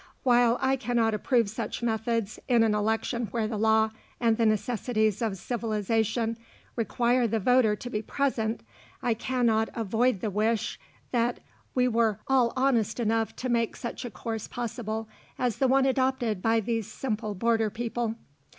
While I cannot approve such methods in an election where the law and the necessities of civilization require the voter to be present, I cannot avoid the wish that we were all honest enough to make such a course possible as the one adopted by these simple border people.